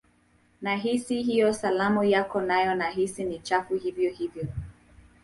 Nahisi hiyo salamu yako nayo nahisi ni chafu hivyo hivyo